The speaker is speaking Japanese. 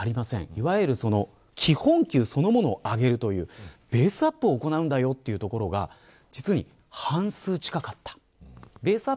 いわゆる基本給そのものを上げるベースアップを行うというところが実に半数近かった。